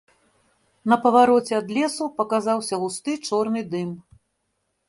На павароце ад лесу паказаўся густы чорны дым.